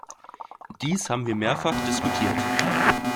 Dies haben wir mehrfach diskutiert.